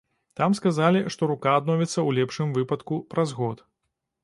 Там сказалі, што рука адновіцца ў лепшым выпадку праз год.